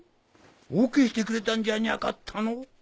ＯＫしてくれたんじゃにゃかったの？